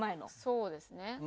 そうですね。